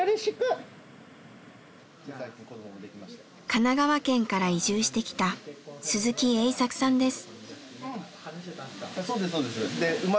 神奈川県から移住してきた鈴木英策さんです。